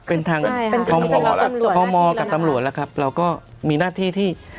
เป็นทางพมกับตำรวจแล้วครับเราก็มีหน้าที่ที่